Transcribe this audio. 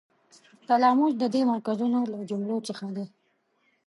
تلاموس د دې مرکزونو له جملو څخه دی.